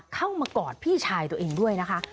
กอดพี่ชายตัวเองด้วยนะคะ